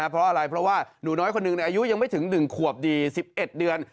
เพราะอะไรเพราะว่าหนูน้อยคนหนึ่งอายุยังไม่ถึง๑ขวบดี๑๑เดือน